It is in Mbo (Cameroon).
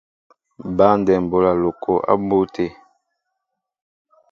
Băndɛm bola loko a mbu té.